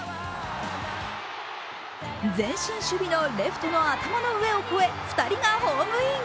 前進守備のレフトの頭の上を超え２人がホームイン。